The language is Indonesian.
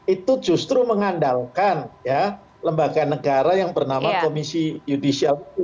itu justru mengandalkan ya lembaga negara yang bernama komisi yudisial itu